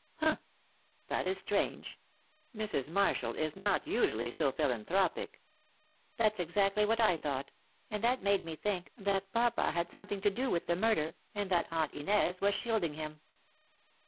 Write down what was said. "Humph! That is strange. Mrs. Marshall is not usually so philanthropic." "That's exactly what I thought; and that made me think that papa had something to do with the murder, and that Aunt Inez was shielding him."